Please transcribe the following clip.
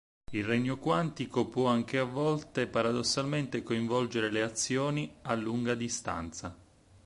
Il regno quantico può anche a volte paradossalmente coinvolgere le azioni a lunga distanza.